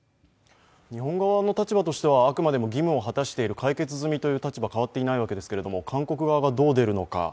日本側の立場としては、あくまでも義務を果たしている、解決済みという立場は変わっていないわけですけれども、韓国側がどう出るのか。